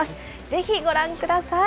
ぜひご覧ください。